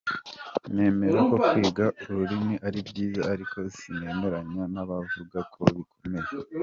Nemera ko kwiga ururimi ari byiza ariko sinemeranya n’abavuga ko bikomeye ”.